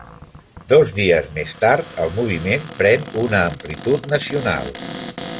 Dos dies més tard, el moviment pren una amplitud nacional.